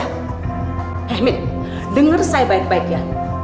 hei min dengar saya baik baik ya